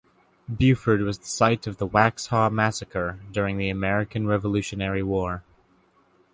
Buford was the site of the Waxhaw Massacre during the American Revolutionary War.